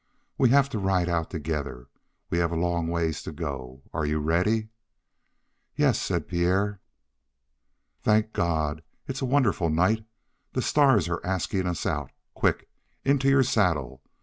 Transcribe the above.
We have to ride out together. We have a long ways to go. Are you ready?" "Yes," said Pierre. "Thank God! It's a wonderful night. The stars are asking us out. Quick! Into your saddle.